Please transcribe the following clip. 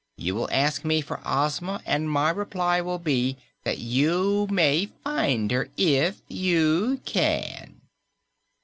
You will ask me for Ozma, and my reply will be that you may find her if you can."